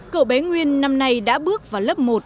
cậu bé nguyên năm nay đã bước vào lớp một